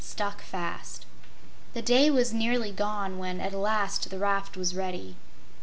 Stuck Fast The day was nearly gone when, at last, the raft was ready.